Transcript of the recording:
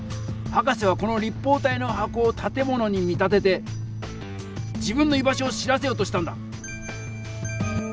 博士はこの立方体のはこをたてものに見立てて自分の居場所を知らせようとしたんだ。